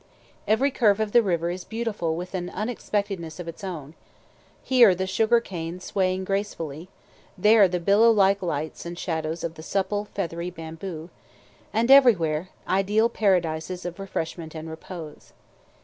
Every curve of the river is beautiful with an unexpectedness of its own, here the sugar cane swaying gracefully, there the billow like lights and shadows of the supple, feathery bamboo, and everywhere ideal paradises of refreshment and repose.